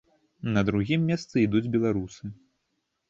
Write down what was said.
На другім месцы ідуць беларусы.